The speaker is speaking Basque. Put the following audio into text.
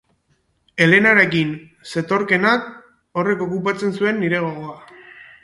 Elenarekin zetorkeenak, horrek okupatzen zuen nire gogoa.